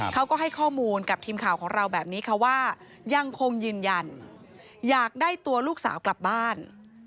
เขาก็ให้ข้อมูลกับทีมข่าวของเราแบบนี้ค่ะว่ายังคงยืนยันอยากได้ตัวลูกสาวกลับบ้าน